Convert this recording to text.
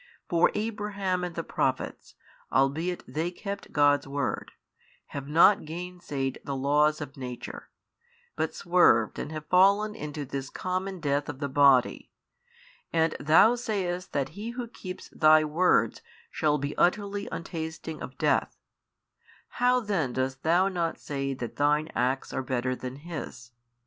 For Abraham and the Prophets, albeit they kept God's word, have not gainsaid the laws of nature, but swerved and have fallen into this common death of the body, and THOU sayest that he who keeps Thy words shall be utterly untasting of death: how then dost Thou not say that Thine acts are better than His?